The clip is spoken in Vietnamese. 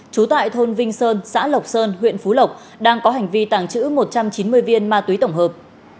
trú tại thôn vinh sơn xã lộc sơn huyện phú lộc đang có hành vi tàng trữ một trăm chín mươi viên ma túy tổng hợp